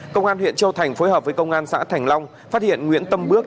công an huyện châu thành phối hợp với công an xã thành long phát hiện nguyễn tâm bước